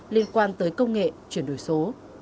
liên quan tới công nghệ chuyển đổi số